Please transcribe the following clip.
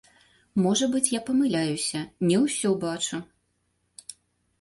Можа быць, я памыляюся, не ўсё бачу.